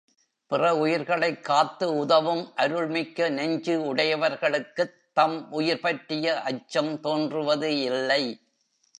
பிற உயிர்களைக் காத்து உதவும் அருள்மிக்க நெஞ்சு உடையவர்களுக்குத் தம் உயிரைப்பற்றிய அச்சம் தோன்றுவது இல்லை.